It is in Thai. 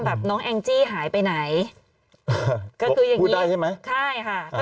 แบบน้องแองจี้หายไปไหนก็คือยังอยู่ได้ใช่ไหมใช่ค่ะ